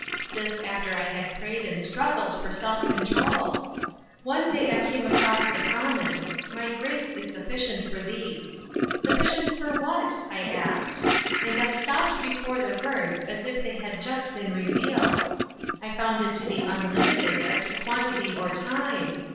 This after I had prayed and struggled for self control. One day I came across the prom ise, ' My grace is sufficient for thee.' Sufficient for what? I asked, and 1 stopped before the words as if they had just been revealed. I found it to be unlimited as to quantity or time.